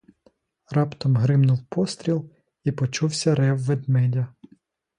Раптом гримнув постріл і почувся рев ведмедя.